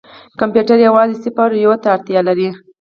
کمپیوټر یوازې صفر او یو ته اړتیا لري.